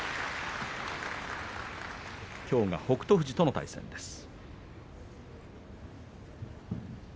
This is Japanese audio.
きょうは北勝富士との対戦です。